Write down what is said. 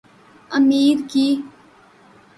امیر کی